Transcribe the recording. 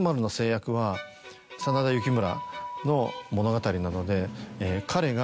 真田幸村の物語なので。